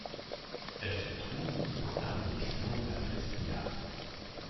Elle se trouve dans l'arrondissement de la Presnia.